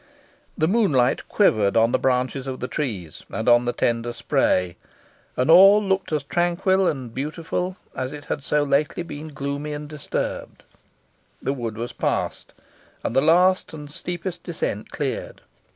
The moonlight quivered on the branches of the trees, and on the tender spray, and all looked as tranquil and beautiful as it had so lately been gloomy and disturbed. The wood was passed, and the last and steepest descent cleared.